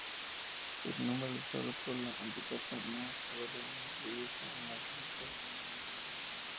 El número usado por un antipapa no suele incluirse en las listas.